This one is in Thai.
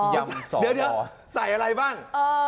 ยำสอวอใส่อะไรบ้าง